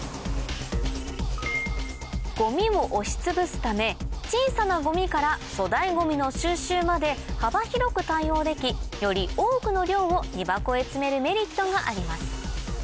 ごみを押しつぶすため小さなごみから粗大ごみの収集まで幅広く対応できより多くの量を荷箱へ積めるメリットがあります